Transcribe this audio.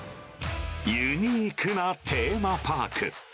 ユニークなテーマパーク。